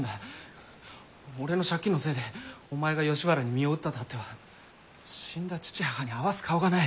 俺の借金のせいでお前が吉原に身を売ったとあっては死んだ父母に合わす顔がない。